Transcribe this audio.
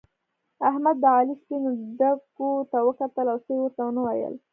احمد د علي سپينو ډکو ته وکتل او څه يې ورته و نه ويل.